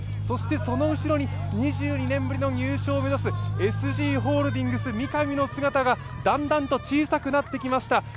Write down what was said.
そしてその後ろに２２年ぶりの入賞を目指すＳＧホールディングス三上の姿がだんだんと小さくなってきました。